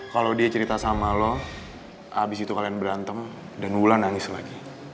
kalau dia cerita sama lo abis itu kalian berantem dan wulan nangis lagi